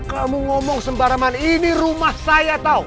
kamu ngomong sembarangan ini rumah saya tau